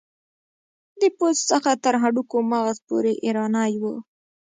د پوست څخه تر هډوکو مغز پورې ایرانی و.